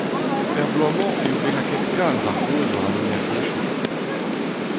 Er bloaz-mañ eo bet lakaet kalz ar gaoz war an energiezhioù.